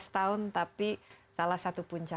sebelas tahun tapi salah satu puncak